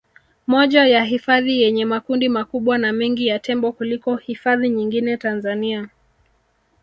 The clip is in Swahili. Moja ya hifadhi yenye makundi makubwa na mengi ya Tembo kuliko hifadhi nyingine Tanzania